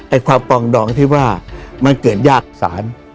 ความปองดองที่ว่ามันเกิดยากศาล